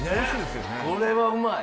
これはうまい！